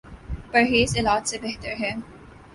پرہیز علاج سے بہتر ہے